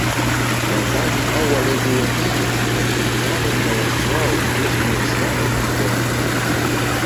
Wazazi au walezi wengine wajadiliane na watoto wao kuhusu mahusiano na ngono